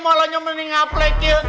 molonyon menyinga pleknya